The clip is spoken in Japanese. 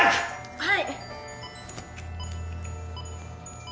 はい。